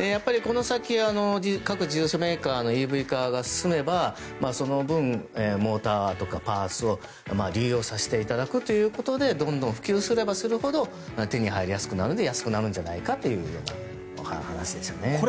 やっぱりこの先各自動車メーカーのＥＶ化が進めばその分、モーターとかパーツを流用させていただくということでどんどん普及すればするほど手に入りやすくなるので安くなるんじゃないかというお話でした。